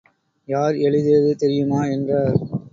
யார் எழுதியது தெரியுமா? என்றார்.